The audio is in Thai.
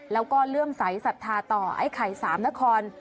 แล้วก็เลื่อมใสสัทธาต่อไอ้ไข่สามนคร